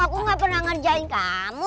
aku gak pernah ngerjain kamu